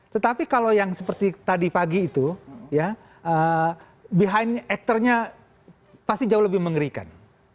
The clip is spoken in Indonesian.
tetapi kalau yang seperti tadi pagi itu ya behind actornya pasti jauh lebih mengerikan